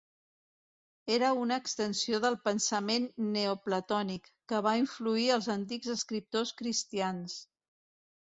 Era una extensió del pensament neoplatònic, que va influir els antics escriptors cristians.